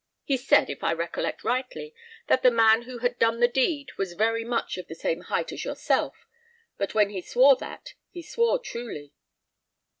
He said, if I recollect rightly, that the man who had done the deed was very much of the same height as yourself, but when he swore that, he swore truly."